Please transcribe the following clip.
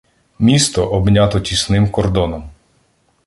Місто обнято тісним кордоном.